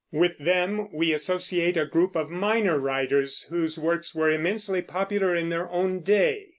With them we associate a group of minor writers, whose works were immensely popular in their own day.